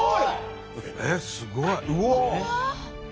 えっすごい。